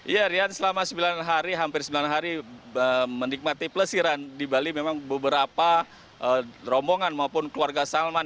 iya rian selama sembilan hari hampir sembilan hari menikmati pelesiran di bali memang beberapa rombongan maupun keluarga salman